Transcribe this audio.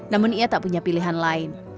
namun ia tak punya pilihan lain